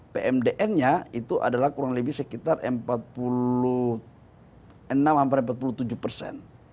pmdn nya itu adalah kurang lebih sekitar empat puluh enam empat puluh tujuh persen